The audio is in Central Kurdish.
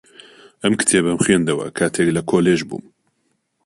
ئەم کتێبەم خوێندەوە کاتێک لە کۆلێژ بووم.